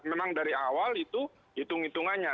memang dari awal itu hitung hitungannya